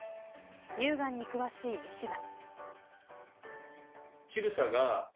乳がんに詳しい医師は。